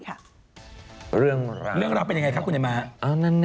ก็เลยมาสบอก